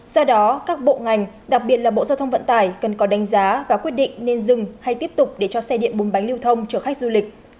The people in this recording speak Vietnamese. do đó các bộ ngành đặc biệt là bộ giao thông vận tải cần có đánh giá và quyết định nên dừng hay tiếp tục để cho xe điện bánh lưu thông trở khách du lịch